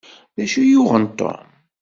D acu i yuɣen Tom?